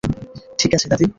ঠিক আছে, দাদী।